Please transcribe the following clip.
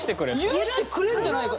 許してくれんじゃないか。